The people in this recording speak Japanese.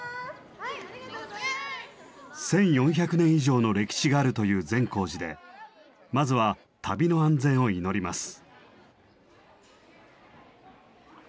１，４００年以上の歴史があるという善光寺でまずは旅の安全を祈ります。